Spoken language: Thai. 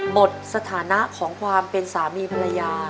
หมดสถานะของความเป็นสามีภรรยา